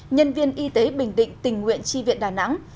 nhân viên y tế bình định tình nguyện tri viện đà nẵng